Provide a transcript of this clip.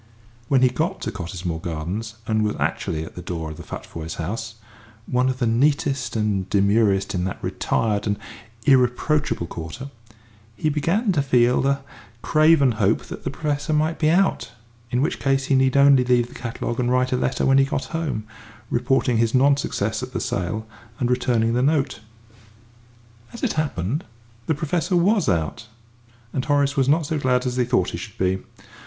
When he got to Cottesmore Gardens, and was actually at the door of the Futvoyes' house, one of the neatest and demurest in that retired and irreproachable quarter, he began to feel a craven hope that the Professor might be out, in which case he need only leave the catalogue and write a letter when he got home, reporting his non success at the sale, and returning the note. And, as it happened, the Professor was out, and Horace was not so glad as he thought he should be.